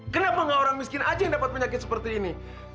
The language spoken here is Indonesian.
kenapa nggak orang miskin aja yang dapat penyakit seperti ini